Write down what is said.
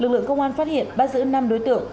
lực lượng công an phát hiện bắt giữ năm đối tượng